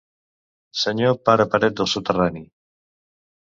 Senyor pare paret de soterrani!